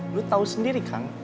lo tau sendiri kang